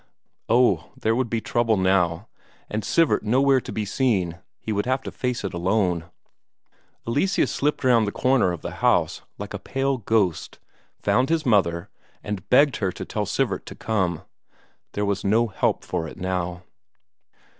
Oh, there would be trouble now and Sivert nowhere to be seen; he would have to face it alone. Eleseus slipped round the corner of the house, like a pale ghost, found his mother, and begged her to tell Sivert to come. There was no help for it now.